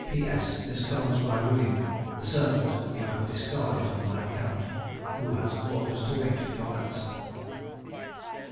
"P. S. This comes by William (the servant you have discarded on my account), who has orders to wait for your answer."